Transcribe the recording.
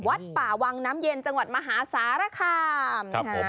วัดป่าวังน้ำเย็นจังหวัดมหาสารคามนะคะ